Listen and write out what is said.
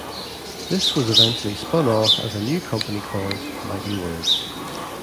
This was eventually spun off as a new company called MightyWords.